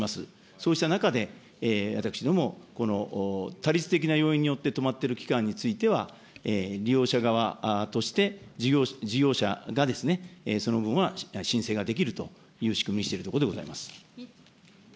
そうした中で、私どもこの他律的な要因によって止まっている期間については、利用者側として、事業者がその分は申請ができるという仕組みにしているところでございます。